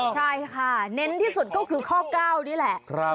ใช่ค่ะเน้นที่สุดก็คือข้อ๙นี่แหละ